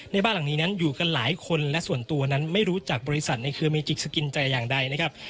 ในบ้านหลังนี้นั้นอยู่กันหลายคนและส่วนตัวนั้นไม่รู้จักบริษัทในเครเมจิกสกินใจอย่างใดนะครับ